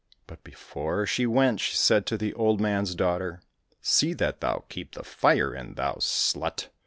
But, before she went, she said to the old man's daughter, '* See that thou keep the fire in, thou slut